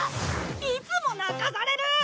いつも泣かされる！